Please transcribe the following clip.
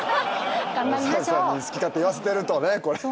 大沢さんに好き勝手言わせてるとね。